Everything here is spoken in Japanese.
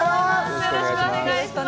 よろしくお願いします。